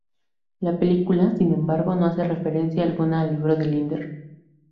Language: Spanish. La película, sin embargo, no hace referencia alguna al libro de Lindner.